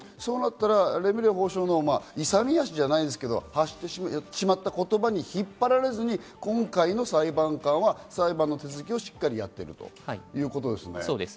レムリヤ法相の勇み足じゃないですが、発してしまった言葉に引っ張られずに今回の裁判官は裁判の手続きをしっかりやっているということですね。